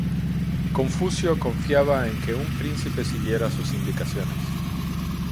Confucio confiaba en que un príncipe siguiera sus indicaciones.